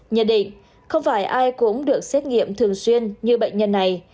nhận định không phải ai cũng được xét nghiệm thường xuyên như bệnh nhân này